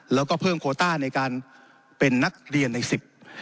แล้วก็เพิ่มโคต้าในการเป็นนักเรียนในสิบ